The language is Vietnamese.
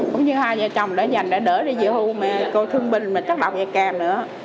cũng như hai vợ chồng đã dành để đỡ đi dự hưu cô thương bình mà chắc đọc vậy kèm nữa